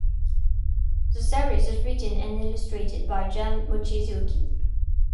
The series is written and illustrated by Jun Mochizuki.